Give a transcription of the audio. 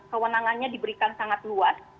kewenangannya diberikan sangat luas